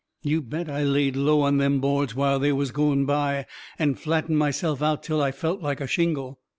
You bet I laid low on them boards while they was going by, and flattened myself out till I felt like a shingle.